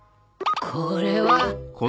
これは。